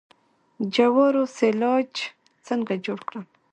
د جوارو سیلاج څنګه جوړ کړم؟